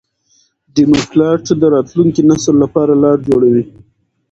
ډيپلومات د راتلونکي نسل لپاره لار جوړوي.